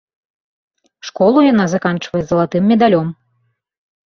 Школу яна заканчвае з залатым медалём.